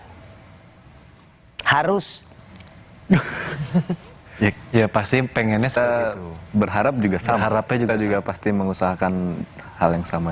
hai harus ya pasti pengennya saya berharap juga sama rapnya juga pasti mengusahakan hal yang sama